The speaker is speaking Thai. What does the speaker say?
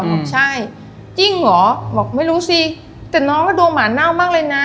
บอกใช่จริงเหรอบอกไม่รู้สิแต่น้องก็ดวงหมาเน่ามากเลยนะ